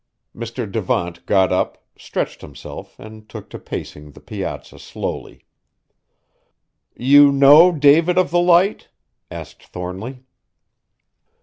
Mr. Devant got up, stretched himself and took to pacing the piazza slowly. "You know David of the Light?" asked Thornly.